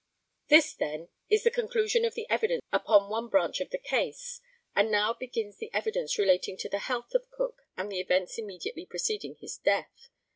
This, then, is the conclusion of the evidence upon one branch of the case, and now begins the evidence relating to the health of Cook and the events immediately preceding his death.